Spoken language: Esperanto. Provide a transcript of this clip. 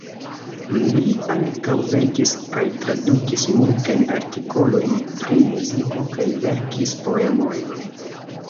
Li ankaŭ verkis kaj tradukis multajn artikolojn pri muziko kaj verkis poemojn.